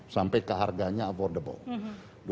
sampai keharganya affordable